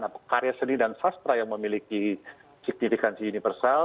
nah karya seni dan sastra yang memiliki signifikansi universal